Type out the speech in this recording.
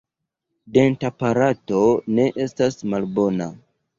Dentaparato ne estas malbona.